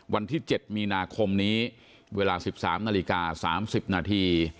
วันที่๗มีนาคมนี้เวลา๑๓นาฬิกา๓๐นาที